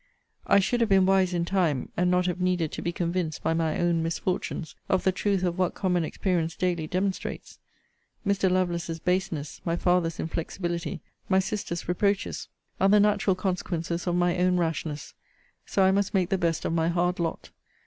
I should have been wise in time, and not have needed to be convinced, by my own misfortunes, of the truth of what common experience daily demonstrates. Mr. Lovelace's baseness, my father's inflexibility, my sister's reproaches, are the natural consequences of my own rashness; so I must make the best of my hard lot.